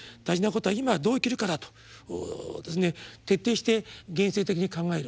「大事なことは今どう生きるかだ」と徹底して現世的に考える。